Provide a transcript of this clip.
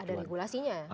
jadi ada regulasinya ya